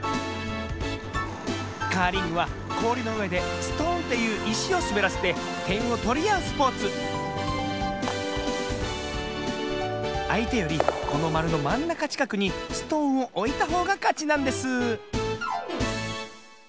カーリングはこおりのうえでストーンっていういしをすべらせててんをとりあうスポーツあいてよりこのまるのまんなかちかくにストーンをおいたほうがかちなんです